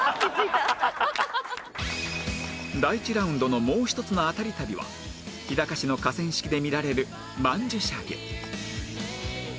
第１ラウンドのもう一つのアタリ旅は日高市の河川敷で見られる曼珠沙華